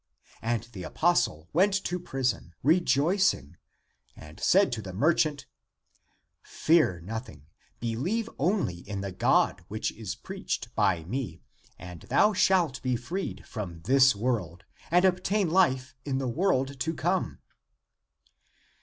And the apostle went to prison re joicing, and said to the merchant, " Fear nothing, beheve only in the God which is preached by me, and thou shalt be freed from this world, and obtain life in the world to come."